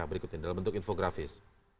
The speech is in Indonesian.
berikutnya dalam bentuk infografis